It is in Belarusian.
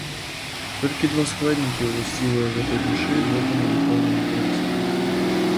Толькі два складнікі ўласцівыя гэтай душы, гэтаму духоўнаму прынцыпу.